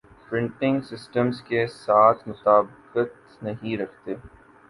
پریٹنگ systems کے ساتھ مطابقت نہیں رکھتے